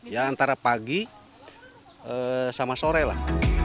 ya antara pagi sama sore lah